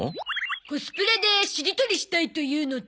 コスプレでしりとりしたいというので。